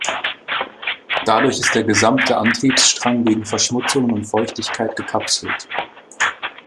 Dadurch ist der gesamte Antriebsstrang gegen Verschmutzungen und Feuchtigkeit gekapselt.